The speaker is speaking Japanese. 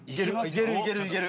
いけるいけるいける。